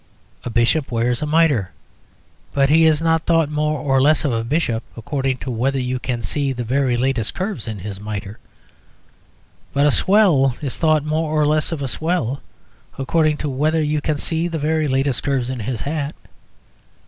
A bishop wears a mitre; but he is not thought more or less of a bishop according to whether you can see the very latest curves in his mitre. But a swell is thought more or less of a swell according to whether you can see the very latest curves in his hat.